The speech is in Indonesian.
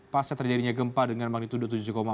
pasca terjadinya gempa dengan magnitudo tujuh empat